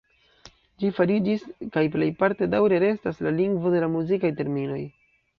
Ĝi fariĝis kaj plejparte daŭre restas la lingvo de la muzikaj terminoj.